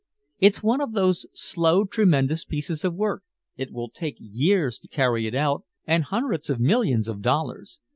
It's one of those slow tremendous pieces of work, it will take years to carry it out and hundreds of millions of dollars.